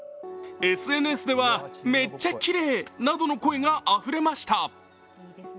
ＳＮＳでは、めっちゃ綺麗！などの声があふれました。